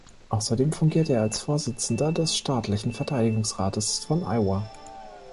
Außerdem fungierte er als Vorsitzender des staatlichen Verteidigungsrates von Iowa.